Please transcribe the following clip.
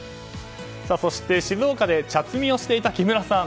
そして、静岡で茶摘みをしていた木村さん。